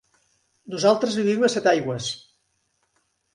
Nosaltres vivim a Setaigües.